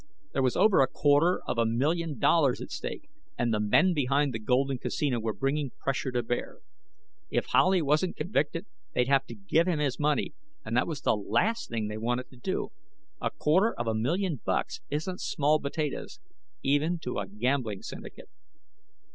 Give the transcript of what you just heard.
There was over a quarter of a million dollars at stake, and the men behind the Golden Casino were bringing pressure to bear. If Howley wasn't convicted, they'd have to give him his money and that was the last thing they wanted to do. A quarter of a million bucks isn't small potatoes, even to a gambling syndicate.